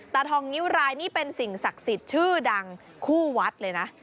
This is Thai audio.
ตาทองนิ้วรายนี่เป็นสิ่งศักดิ์สิทธิ์ชื่อดังคู่วัดเลยนะ